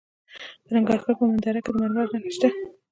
د ننګرهار په مومند دره کې د مرمرو نښې شته.